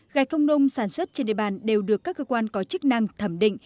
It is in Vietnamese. gài không nung sản xuất trên địa bàn đều được các cơ quan có chức năng thẩm định